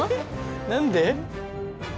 何で？